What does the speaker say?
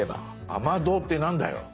雨どうって何だよ。